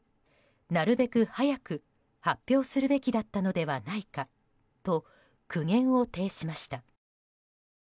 なるべく早く発表するべきだったのではないかと苦言を呈しました。